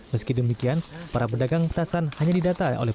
meski demikian para pedagang petasan hanya didatangkan